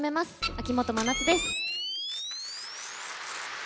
秋元真夏です。